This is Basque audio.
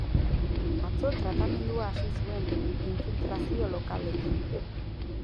Atzo tratamendua hasi zuen infiltrazio lokalekin.